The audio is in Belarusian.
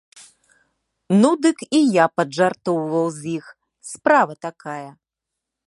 Ну дык і я паджартоўваў з іх, справа такая.